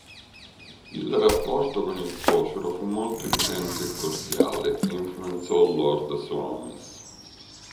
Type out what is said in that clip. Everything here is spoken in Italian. Il rapporto con il suocero fu molto intenso e cordiale e influenzò Lord Soames.